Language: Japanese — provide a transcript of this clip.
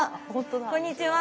こんにちは。